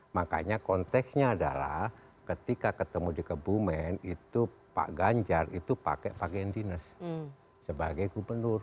makanya konteksnya adalah ketika ketemu di kebumen itu pak ganjar itu pakai pak gendines sebagai gubernur